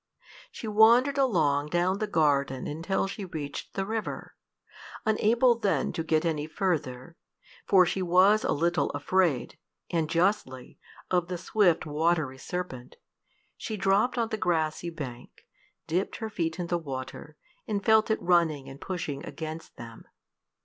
She wandered along down the garden until she reached the river. Unable then to get any further for she was a little afraid, and justly, of the swift watery serpent she dropped on the grassy bank, dipped her feet in the water, and felt it running and pushing against them.